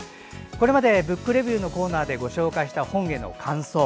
これまで「ブックレビュー」のコーナーでご紹介した本への感想